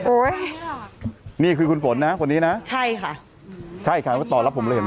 นี่คือคุณฝนนะคนนี้นะใช่ค่ะใช่ค่ะก็ตอบรับผมเลยเห็นไหม